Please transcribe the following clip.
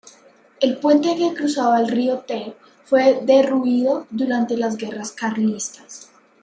El puente que cruzaba el río Ter fue derruido durante las guerras carlistas.